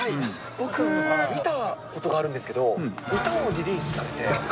僕、見たことあるんですけど、歌をリリースされて。